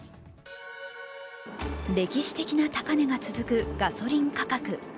歴史的な高値が続くガソリン価格。